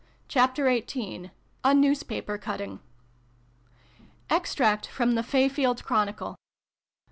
CHAPTER XVIII. A NEWSPAPER CUTTING. EXTRACT FROM THE " FAY FIELD CHRONICLE?